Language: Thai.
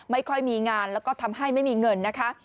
ไม่ค่อยมีงานแล้วก็ทำให้ไม่มีเงินนะคะ